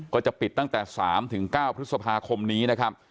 ก็จะปิดตั้งแต่๓๙พฤษภาคมนี้นะครับ